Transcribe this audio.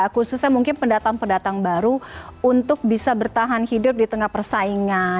khususnya mungkin pendatang pendatang baru untuk bisa bertahan hidup di tengah persaingan